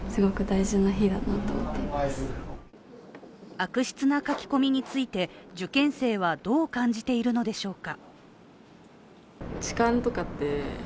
悪質な書き込みについて受験生はどう感じているのでしょうか。